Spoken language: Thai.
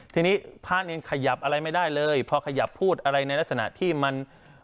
ทีนี้พระเนรขยับอะไรไม่ได้เลยพอขยับพูดอะไรในลักษณะที่มัน